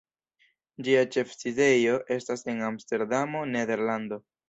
Ĝia ĉefsidejo estas en Amsterdamo, Nederlando.